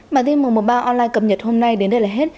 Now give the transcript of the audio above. bản tin mùa mùa ba online cập nhật hôm nay đến đây là hết